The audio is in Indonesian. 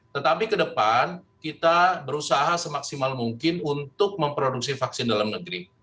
tetapi ke depan kita berusaha semaksimal mungkin untuk memproduksi vaksin dalam negeri